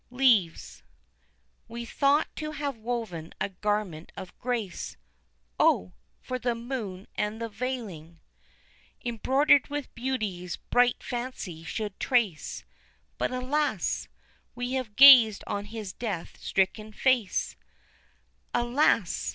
Leaves. We thought to have woven a garment of grace, (Oh! for the moon and the veiling.) Embroidered with beauties bright fancy should trace, But, alas! we have gazed on his death stricken face, (Alas!